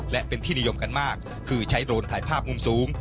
และเป็นที่นิยมกันมากคือใช้โดรนถ่ายภาพมุมสูง